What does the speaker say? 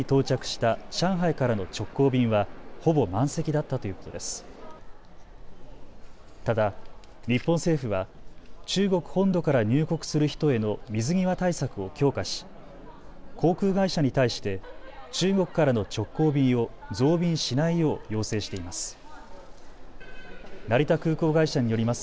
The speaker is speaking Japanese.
ただ、日本政府は中国本土から入国する人への水際対策を強化し航空会社に対して中国からの直行便を増便しないよう要請しています。